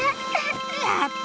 やった！